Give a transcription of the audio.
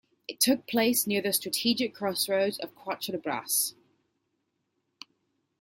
It took place near the strategic crossroads of Quatre Bras.